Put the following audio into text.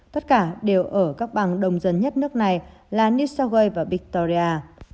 tất cả đều ở các bang đồng dân nhất nước này là new south wales và victoria